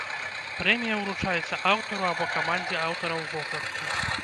Прэмія ўручаецца аўтару або камандзе аўтараў вокладкі.